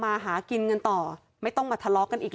มันก็เลยกลายเป็นว่าเหมือนกับยกพวกมาตีกัน